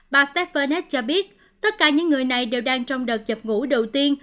bà stvernet cho biết tất cả những người này đều đang trong đợt dập ngủ đầu tiên